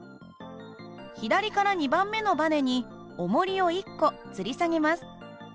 左から２番目のばねにおもりを１個つり下げます。